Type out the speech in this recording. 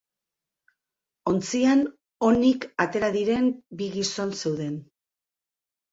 Ontzian onik atera diren bi gizon zeuden.